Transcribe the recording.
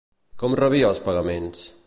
Com rebia els pagaments?